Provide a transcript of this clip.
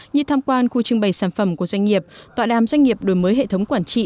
như tham quan khu trưng bày sản phẩm của doanh nghiệp tọa đàm doanh nghiệp đổi mới hệ thống quản trị